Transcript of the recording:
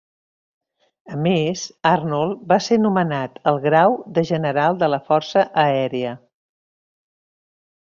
A més, Arnold va ser nomenat al grau de General de la Força Aèria.